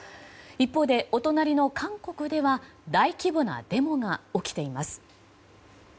一方でお隣の韓国では大規模なデモが起きています。